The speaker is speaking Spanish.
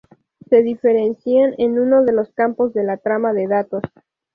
Se diferencian en uno de los campos de la trama de datos.